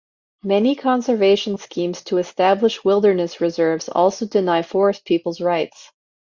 Many conservation schemes to establish wilderness reserves also deny forest peoples' rights.